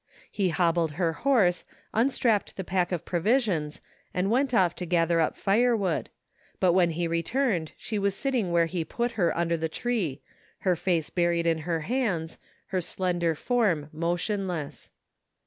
He hobbled her horse, unstrapped the pack of provisions and went off to gather up firewood, but when he returned she was: sitting where he put her under the tree, her face buried in her hands, her slender form motionless.